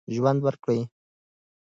ژوند ورکړئ.